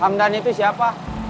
hamdan itu siapa